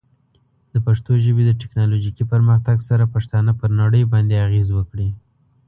د پښتو ژبې د ټیکنالوجیکي پرمختګ سره، پښتانه پر نړۍ باندې اغېز وکړي.